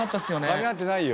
かみ合ってないよ。